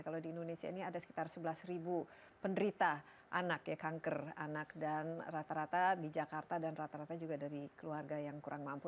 kalau di indonesia ini ada sekitar sebelas penderita anak ya kanker anak dan rata rata di jakarta dan rata rata juga dari keluarga yang kurang mampu